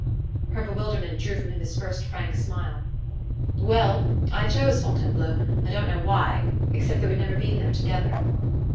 Her bewilderment drew from him his first frank smile. "Well I chose Fontainebleau I don't know why... except that we've never been there together."